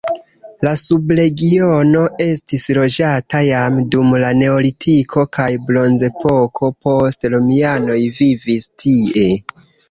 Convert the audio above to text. La subregiono estis loĝata jam dum la neolitiko kaj bronzepoko, poste romianoj vivis tie.